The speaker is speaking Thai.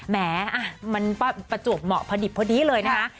แหมมันประจวบเหมาะพอดิบพอดีเลยนะคะ